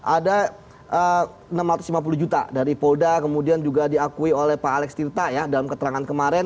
ada enam ratus lima puluh juta dari polda kemudian juga diakui oleh pak alex tirta ya dalam keterangan kemarin